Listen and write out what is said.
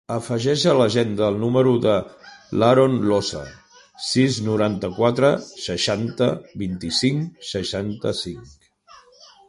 Afegeix a l'agenda el número de l'Haron Losa: sis, noranta-quatre, seixanta, vint-i-cinc, seixanta-cinc.